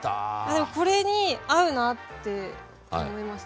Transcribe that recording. でもこれに合うなって思いました。